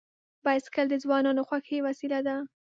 بایسکل د ځوانانو خوښي وسیله ده.